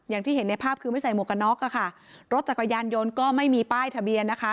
อย่างที่เห็นในภาพคือไม่ใส่หมวกกันน็อกอะค่ะรถจักรยานยนต์ก็ไม่มีป้ายทะเบียนนะคะ